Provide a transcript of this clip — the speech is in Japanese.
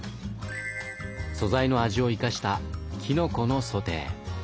素材の味を生かしたきのこのソテー。